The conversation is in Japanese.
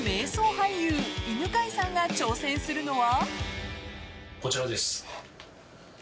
俳優犬飼さんが挑戦するのは。